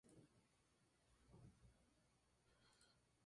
Tuvieron cinco hijos: tres varones y dos mujeres.